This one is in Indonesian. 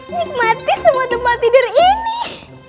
nikmati semua tempat tidur ini